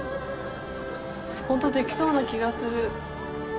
本当できそうな気がする。